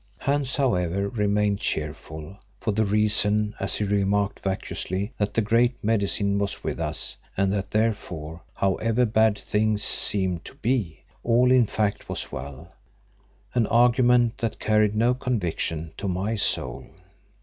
Hans, however, remained cheerful, for the reason, as he remarked vacuously, that the Great Medicine was with us and that therefore, however bad things seemed to be, all in fact was well; an argument that carried no conviction to my soul.